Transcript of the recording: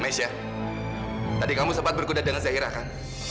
tadi kamu sempat berkuda dengan zahira kan